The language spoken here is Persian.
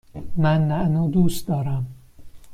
من نعنا دوست دارم.